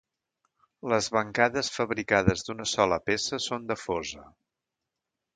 Les bancades fabricades d'una sola peça són de fosa.